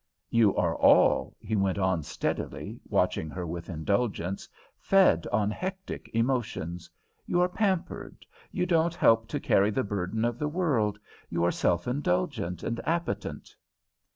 "You are all," he went on steadily, watching her with indulgence, "fed on hectic emotions. You are pampered. You don't help to carry the burdens of the world. You are self indulgent and appetent."